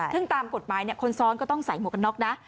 ซึ่งตามกฎหมายคนซ้อนก็ต้องใส่หมวกกันน็อกนะ